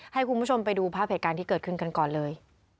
ให้คุณผู้ชมไปดูภาพเหตุการณ์ที่เกิดขึ้นกันก่อนเลย